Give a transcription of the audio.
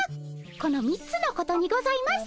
この３つのことにございます。